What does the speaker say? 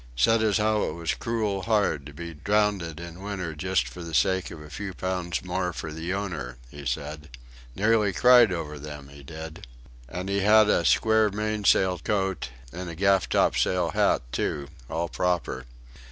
Said as how it was crool hard to be drownded in winter just for the sake of a few pounds more for the owner he said. Nearly cried over them he did; and he had a square mainsail coat, and a gaff topsail hat too all proper.